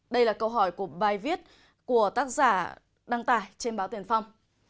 đây là câu hỏi của bài viết của tác giả đăng tải trên báo tiền phong